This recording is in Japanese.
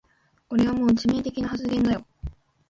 これはもう致命的な発言だよ